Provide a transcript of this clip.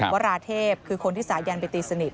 วราเทพคือคนที่สายันไปตีสนิท